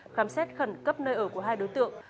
khám xét khẩn cấp nơi ở của hai đối tượng